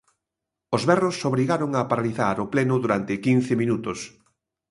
Os berros obrigaron a paralizar o pleno durante quince minutos.